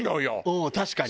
うん確かに。